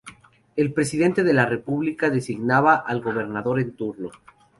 El presidente de la república designaba al gobernador en turno.